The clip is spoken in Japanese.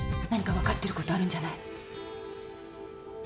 何かわかってることあるんじゃない？